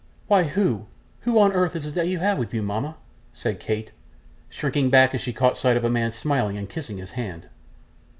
'Why who who on earth is that you have with you, mama?' said Kate, shrinking back as she caught sight of a man smiling and kissing his hand.